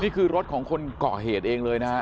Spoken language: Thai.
นี่คือรถของคนก่อเหตุเลยนะครับ